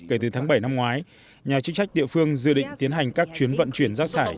kể từ tháng bảy năm ngoái nhà chức trách địa phương dự định tiến hành các chuyến vận chuyển rác thải